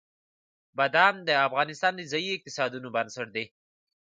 بادام د افغانستان د ځایي اقتصادونو بنسټ دی.